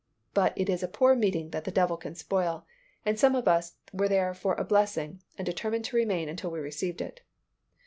But it is a poor meeting that the devil can spoil, and some of us were there for a blessing and determined to remain until we received it.